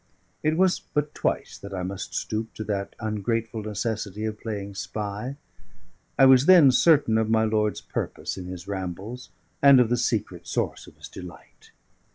It was but twice that I must stoop to that ungrateful necessity of playing spy. I was then certain of my lord's purpose in his rambles and of the secret source of his delight.